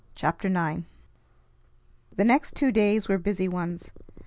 CHAPTER IX The next two days were busy ones.